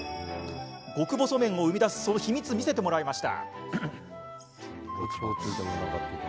極細麺を生み出すその秘密を見せてもらいました。